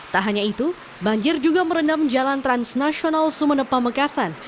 tak hanya itu banjir juga merendam jalan transnasional sumene pamekasan